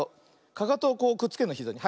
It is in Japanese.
かかとをこうくっつけるのひざに。